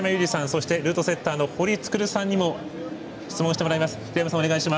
そして、ルートセッターの堀創さんにも質問してもらいます。